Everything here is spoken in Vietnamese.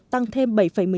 tăng thêm bảy một mươi chín